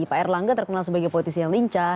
pak erlangga terkenal sebagai politisi yang lincah